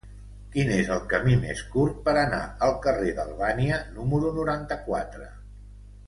Quin és el camí més curt per anar al carrer d'Albània número noranta-quatre?